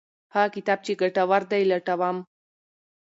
هغه کتاب چې ګټور دی لټوم.